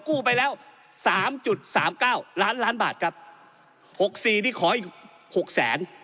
กู้ไปแล้วสามจุดสามเก้าล้านล้านบาทครับหกสี่นี่ขออีกหกแสน